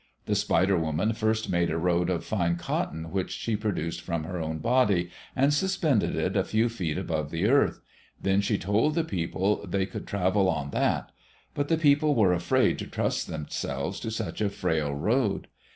The spider woman first made a road of fine cotton which she produced from her own body, and suspended it a few feet above the earth. Then she told the people they could travel on that. But the people were afraid to trust themselves to such a frail road.